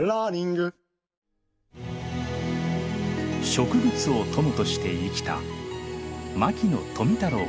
植物を友として生きた牧野富太郎博士。